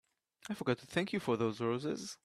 I forgot to thank you for those roses.